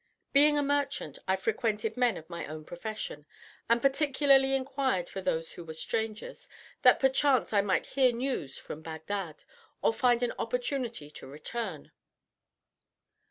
Being a merchant, I frequented men of my own profession, and particularly inquired for those who were strangers, that perchance I might hear news from Bagdad, or find an opportunity to return.